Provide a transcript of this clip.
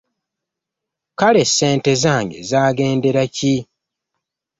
Kale ssente zange zagendera ki?